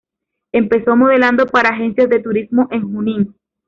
Empezó modelando para agencias de turismo en Junín.